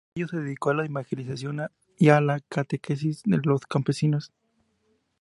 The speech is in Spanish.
Por ello, se dedicó a la evangelización y a la catequesis de los campesinos.